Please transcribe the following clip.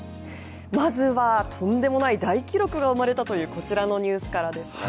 まずはとんでもない大記録が生まれたというこちらのニュースからです。